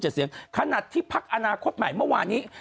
เสียงขนาดที่พักอนาคตใหม่เมื่อวานี้